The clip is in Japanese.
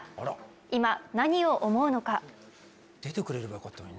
今、何を思うのか。